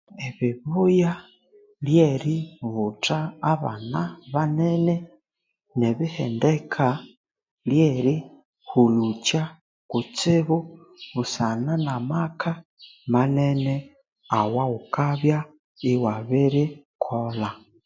Ebibuya ebyeributa abanabanene nebihendeka byerihulukya kutsibu busana namaka manene awawukabya iwabirikolha